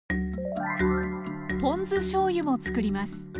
ポン酢しょうゆもつくります。